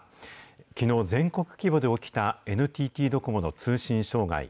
きのう、全国規模で起きたＮＴＴドコモの通信障害。